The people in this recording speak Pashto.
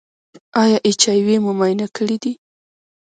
ایا ایچ آی وي مو معاینه کړی دی؟